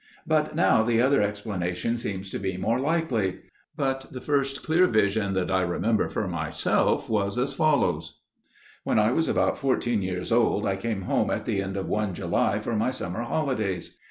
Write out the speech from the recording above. But now the other explanation seems to me more likely. But the first clear vision that I remember for myself was as follows: "When I was about fourteen years old I came home at the end of one July for my summer holidays.